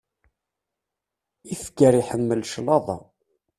Ifker iḥemmel claḍa.